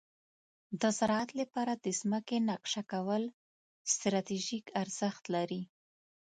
د زراعت لپاره د ځمکې نقشه کول ستراتیژیک ارزښت لري.